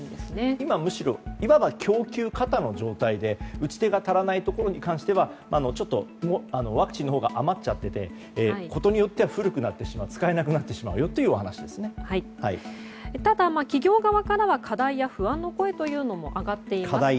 今は、いわば供給過多の状態で打ち手が足りないところに関してはちょっとワクチンのほうが余っちゃっててことによっては古くなって使えなくなってしまうよというただ、企業側からは課題や不安の声も上がっています。